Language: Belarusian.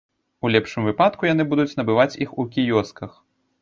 У лепшым выпадку яны будуць набываць іх у кіёсках.